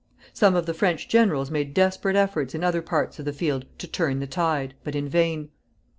Some of the French generals made desperate efforts in other parts of the field to turn the tide, but in vain.